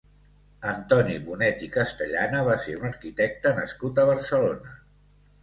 Antoni Bonet i Castellana va ser un arquitecte nascut a Barcelona.